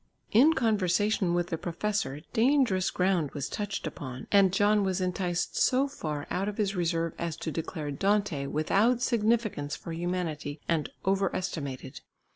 In conversation with the professor dangerous ground was touched upon and John was enticed so far out of his reserve as to declare Dante without significance for humanity and overestimated.